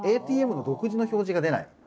ＡＴＭの独自の表示が出ない。